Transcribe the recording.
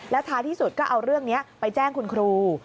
ท้ายที่สุดก็เอาเรื่องนี้ไปแจ้งคุณครู